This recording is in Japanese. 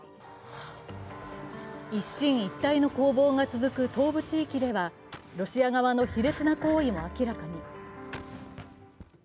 一進一退の攻防が続く東部地域ではロシア側の卑劣な行為も明らかに。